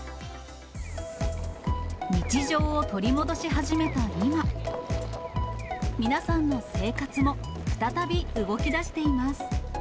日常を取り戻し始めた今、皆さんの生活も、再び動きだしています。